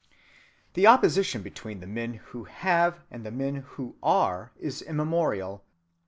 The opposition between the men who have and the men who are is immemorial.